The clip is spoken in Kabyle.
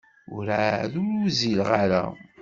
Werɛad ur uzzileɣ ara.